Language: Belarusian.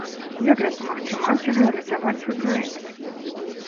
Як дапамагчы маці рэалізаваць свой праект?